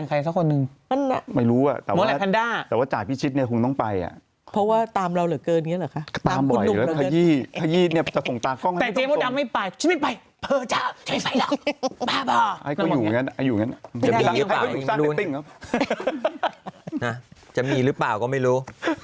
ใครไม่มีสารติ่มจะมีหรือเปล่าก็ไม่รู้